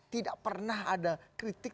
tidak pernah ada kritik